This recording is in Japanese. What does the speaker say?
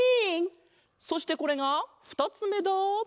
そしてこれがふたつめだ！